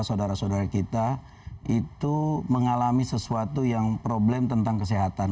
saudara saudara kita itu mengalami sesuatu yang problem tentang kesehatan